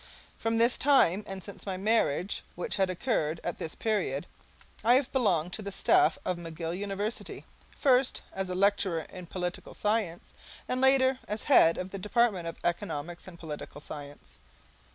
From this time, and since my marriage, which had occurred at this period, I have belonged to the staff of McGill University, first as lecturer in Political Science, and later as head of the department of Economics and Political Science.